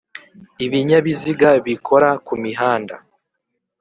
ibinyabiziga bikora ku mihanda